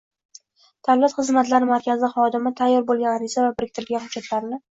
- Davlat xizmatlari markazi xodimi tayyor bo‘lgan ariza va biriktirilgan hujjatlarni